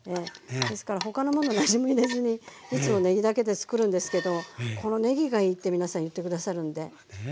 ですから他のもの何も入れずにいつもねぎだけでつくるんですけどこのねぎがいいって皆さん言って下さるんで。